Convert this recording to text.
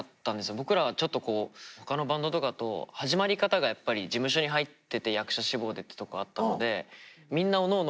僕らはちょっと他のバンドとかと始まり方がやっぱり事務所に入ってて役者志望でってとこあったのでみんなおのおの